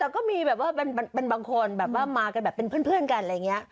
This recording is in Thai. แต่ก็มีแบบว่าเป็นบางคนแบบว่ามากันแบบเป็นเพื่อนกันอะไรอย่างนี้